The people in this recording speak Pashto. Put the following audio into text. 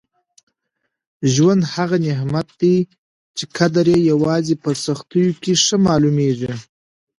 ژوند هغه نعمت دی چي قدر یې یوازې په سختیو کي ښه معلومېږي.